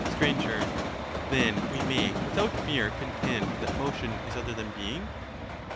Str. Then we may without fear contend that motion is other than being